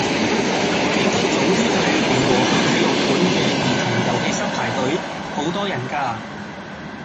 記得早啲去聯和墟體育館嘅兒童遊戲室排隊，好多人㗎。